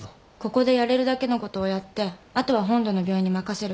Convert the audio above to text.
ここでやれるだけのことをやってあとは本土の病院に任せる。